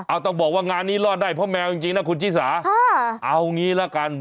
เอาต้องบอกว่างานนี้รอดได้เพราะแมวจริงนะคุณชิสาค่ะเอางี้ละกัน